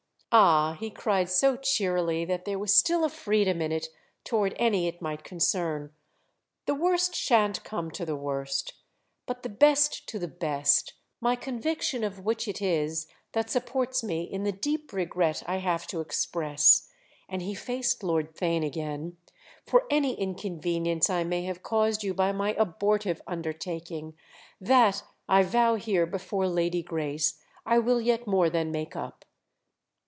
Ah," he cried so cheerily that there was still a freedom in it toward any it might concern, "the worst sha'n't come to the worst, but the best to the best: my conviction of which it is that supports me in the deep regret I have to express"—and he faced Lord Theign again—"for any inconvenience I may have caused you by my abortive undertaking. That, I vow here before Lady Grace, I will yet more than make up!"